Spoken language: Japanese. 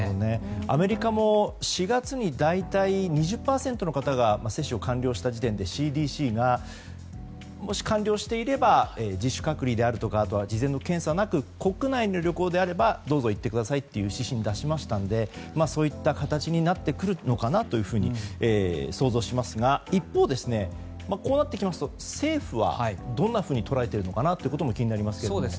アメリカも４月に大体２０％の方が接種を完了した時点でＣＤＣがもし完了していれば自主隔離であるとか事前の検査なく国内の旅行であればどうぞ行ってくださいという指針を出しましたのでそういった形になってくるのかなというふうに想像しますが一方、こうなってきますと政府はどんなふうに捉えているのか気になりますけれども。